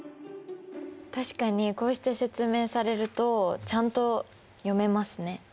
確かにこうして説明されるとちゃんと読めますね。